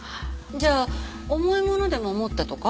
じゃあ重いものでも持ったとか？